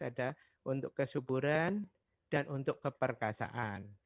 ada untuk kesuburan dan untuk keperkasaan